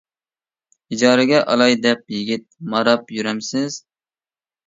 ئىجارىگە ئالاي دەپ، يىگىت ماراپ يۈرەمسىز.